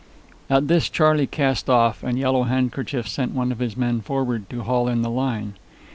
At this Charley cast off, and Yellow Handkerchief sent one of his men forward to haul in the line.